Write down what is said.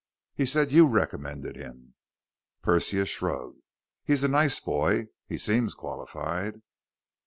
"He said you recommended him." Persia shrugged. "He's a nice boy. He seems qualified."